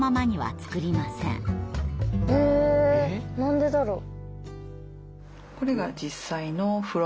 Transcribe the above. え何でだろう？